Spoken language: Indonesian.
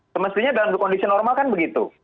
semestinya dalam kondisi normal kan begitu